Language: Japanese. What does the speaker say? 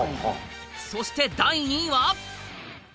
そして第２位は。